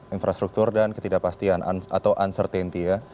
infrastruktur dan ketidakpastian atau uncertainty ya